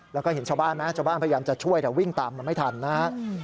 แล้วก็เห็นชาวบ้านไหมชาวบ้านพยายามจะช่วยแต่วิ่งตามมันไม่ทันนะฮะ